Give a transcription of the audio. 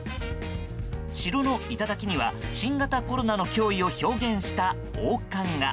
城の頂には新型コロナの脅威を表現した王冠が。